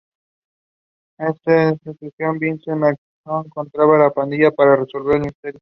Ante esta situación, Vince McMahon contrata a la pandilla para resolver el misterio.